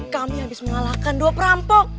kami habis mengalahkan dua perampok